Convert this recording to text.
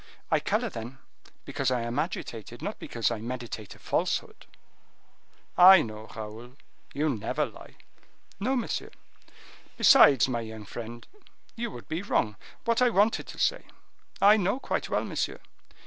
I color, then, because I am agitated, not because I meditate a falsehood." "I know, Raoul, you never lie." "No, monsieur." "Besides, my young friend, you would be wrong; what I wanted to say—" "I know quite well, monsieur.